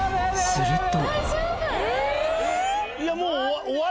すると。